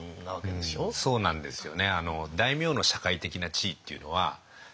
そうなんですよね。